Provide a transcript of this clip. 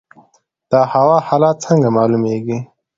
د هوا حالات څنګه معلومیږي؟